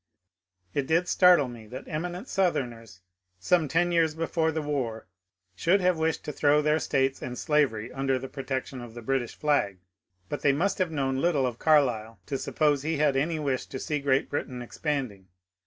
^' It did startle me that eminent Southerners, some ten years before the war, should have wished to throw their States and slavery under the protection of the British flag, but they must have known little of Carlyle to suppose he had any wish to see Great Britain expanding.